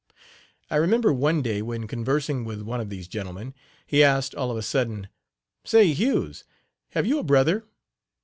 I remember one day when conversing with one of these gentlemen, he asked, all of a sudden: "Say, Hughes, have you a brother?